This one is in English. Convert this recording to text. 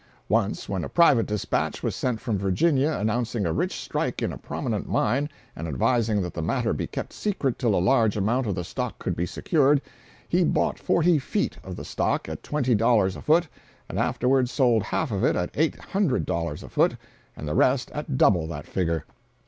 Once when a private dispatch was sent from Virginia announcing a rich strike in a prominent mine and advising that the matter be kept secret till a large amount of the stock could be secured, he bought forty "feet" of the stock at twenty dollars a foot, and afterward sold half of it at eight hundred dollars a foot and the rest at double that figure.